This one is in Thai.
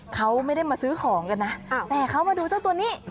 เขาไม่ได้มาซื้อของกันนะแต่เขามาดูเจ้าตัวนี้